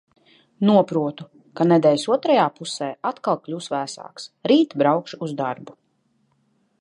Noprotu, ka nedēļas otrajā pusē atkal kļūs vēsāks. Rīt braukšu uz darbu.